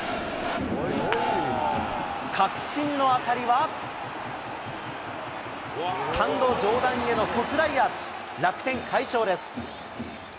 確信の当たりは、スタンド上段への特大アーチ、楽天、快勝です。